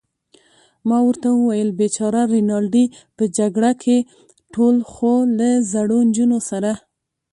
ما ورته وویل: بېچاره رینالډي، په جګړه کې ټول، خو له زړو نجونو سره.